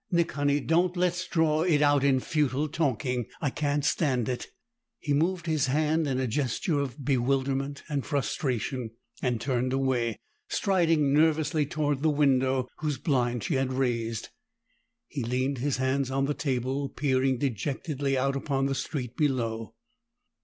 "Nick, Honey don't let's draw it out in futile talking! I can't stand it!" He moved his hand in a gesture of bewilderment and frustration, and turned away, striding nervously toward the window whose blind she had raised. He leaned his hands on the table, peering dejectedly out upon the street below.